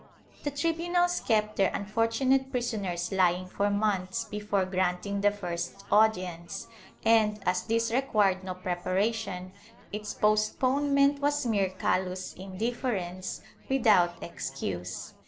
The tri bunals kept their unfortunate prisoners lying for months before granting the first audience and, as this required no preparation, its postponement was mere callous indifference without excuse.